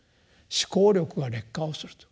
思考力が劣化をすると。